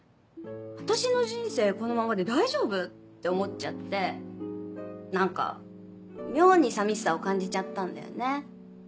私の人生このままで大丈夫？って思っちゃって何か妙に寂しさを感じちゃったんだよね。